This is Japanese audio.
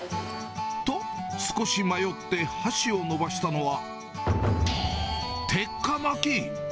と、少し迷って、箸を伸ばしたのは、鉄火巻き。